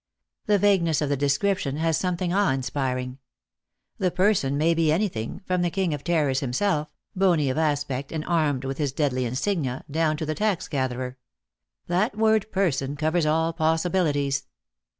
The vagueness of the description has something awe inspiring. The person may be anything, from the King of Terrors himself, bony of aspect and armed with his deadly insignia, down to the tax gatherer. That word " person " covers all possibilities.